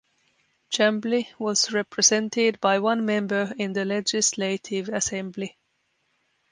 Chambly was represented by one member in the Legislative Assembly.